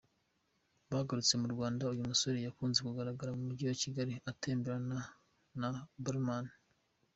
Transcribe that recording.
Bagarutse mu Rwanda, uyu musore yakunze kugaragara mu Mujyi wa Kigali atemberana na Blauman.